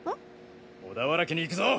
小田原家に行くぞ！